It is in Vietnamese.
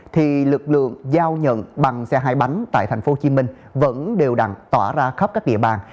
thì lực lượng giao nhận bằng xe hai bánh tại thành phố hồ chí minh vẫn đều đặn tỏa ra khắp các địa bàn